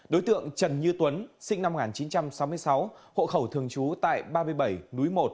đối tượng trần như tuấn sinh năm một nghìn chín trăm sáu mươi sáu hộ khẩu thường trú tại ba mươi bảy núi một